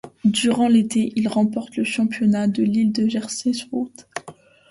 Durant l'été, il remporte le championnat de l'île de Jersey sur route.